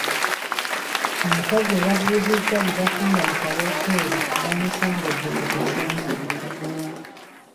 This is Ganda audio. Omukazi eyabuuzizza bye bafumba mu kawooteeri baamusongedde ku kisenge